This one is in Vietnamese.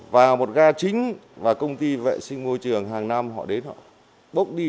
vào một ga chính và công ty vệ sinh môi trường hàng năm họ đến họ bốc đi